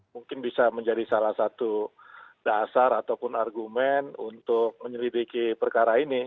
mungkin bisa menjadi salah satu dasar ataupun argumen untuk menyelidiki perkara ini